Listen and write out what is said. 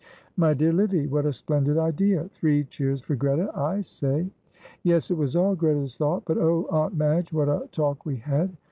'" "My dear Livy, what a splendid idea. Three cheers for Greta, I say." "Yes, it was all Greta's thought; but oh, Aunt Madge, what a talk we had.